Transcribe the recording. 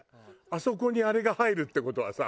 あそこにあれが入るって事はさ。